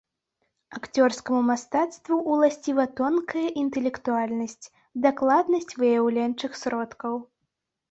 Акцёрскаму мастацтву уласціва тонкая інтэлектуальнасць, дакладнасць выяўленчых сродкаў.